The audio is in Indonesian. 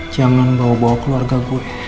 jangan bawa bawa keluarga gue